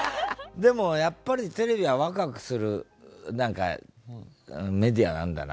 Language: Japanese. でもやっぱりテレビはワクワクするメディアなんだなっていうか。